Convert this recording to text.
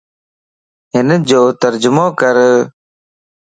ھن جو ترجمو ڪر